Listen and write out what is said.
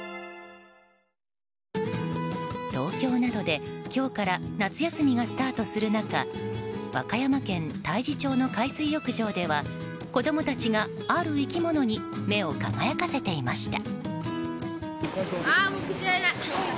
東京などで今日から夏休みがスタートする中和歌山県太地町の海水浴場では子供たちがある生き物に目を輝かせていました。